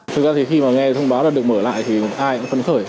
thực ra thì khi mà nghe thông báo là được mở lại thì ai cũng phấn khởi